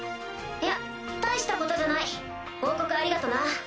いや大したことじゃない報告ありがとな。